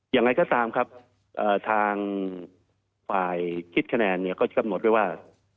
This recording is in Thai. อย่างไรก็ตามครับทางฝ่ายคิดคะแนนก็จะกำหนดไว้ว่า